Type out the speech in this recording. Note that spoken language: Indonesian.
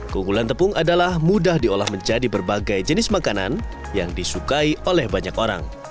keunggulan tepung adalah mudah diolah menjadi berbagai jenis makanan yang disukai oleh banyak orang